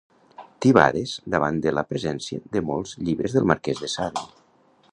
Tibades davant la presència de molts llibres del marquès de Sade.